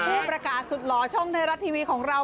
ผู้ประกาศสุดหล่อช่องไทยรัฐทีวีของเรา